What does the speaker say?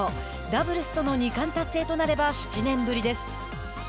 ダブルスとの二冠達成となれば７年ぶりです。